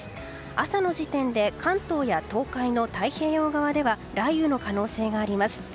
朝の時点で関東や東海の太平洋側では雷雨の可能性があります。